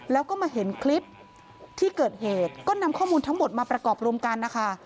แล้วก็มาเห็นคลิปที่เกิดเหตุก็นำข้อมูลทั้งหมดมาประกอบรวมกันนะคะ